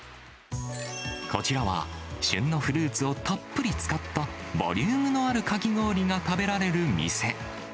こちらは、旬のフルーツをたっぷり使ったボリュームのあるかき氷が食べられる店。